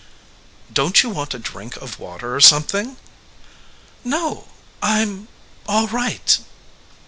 "Don t you want a drink of water or some thing?" "No; I m all right."